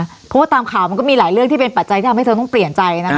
เพราะว่าตามข่าวมันก็มีหลายเรื่องที่เป็นปัจจัยที่ทำให้เธอต้องเปลี่ยนใจนะคะ